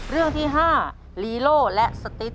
เรื่องที่๕ลีโล่และสติ๊ก